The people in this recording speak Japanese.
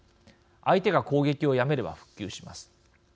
相手が攻撃をやめれば復旧します。